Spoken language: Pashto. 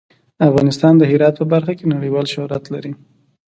افغانستان د هرات په برخه کې نړیوال شهرت لري.